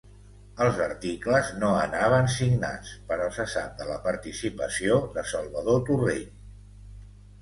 Els articles no anaven signats, però se sap de la participació de Salvador Torrell.